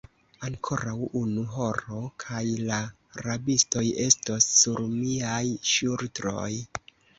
Ankoraŭ unu horo, kaj la rabistoj estos sur miaj ŝultroj.